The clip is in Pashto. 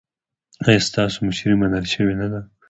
ایا ستاسو مشري منل شوې نه ده؟